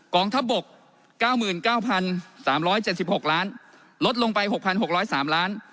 กองทัพบก๙๙๓๗๖ล้านลดลงไป๖๖๐๓ล้าน